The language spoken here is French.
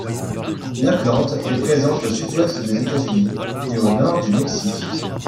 La plante est présente au sud-ouest des États-Unis et au nord du Mexique.